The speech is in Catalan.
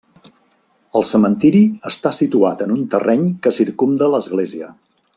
El cementiri està situat en un terreny que circumda l'església.